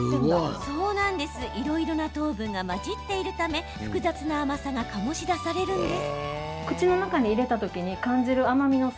いろいろな糖分が混じっているため複雑な甘さが醸し出されるんです。